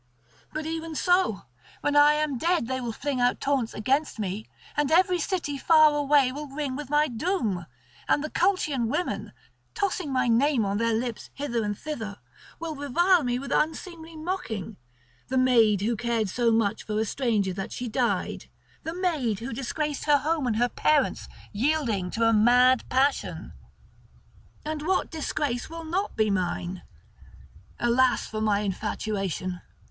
But even so, when I am dead, they will fling out taunts against me; and every city far away will ring with my doom, and the Colchian women, tossing my name on their lips hither and thither, will revile me with unseemly mocking—the maid who cared so much for a stranger that she died, the maid who disgraced her home and her parents, yielding to a mad passion. And what disgrace will not be mine? Alas for my infatuation!